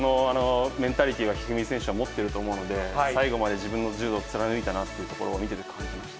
まさにそこのメンタリティーを一二三選手は持ってると思うので、最後まで自分の柔道を貫いたなということを見てて感じました。